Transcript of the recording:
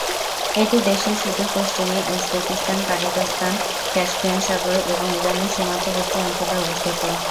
এটি দেশের সুদূর পশ্চিমে উজবেকিস্তান, কাজাখস্তান, ক্যাস্পিয়ান সাগর এবং ইরানের সীমান্তবর্তী অঞ্চলে অবস্থিত।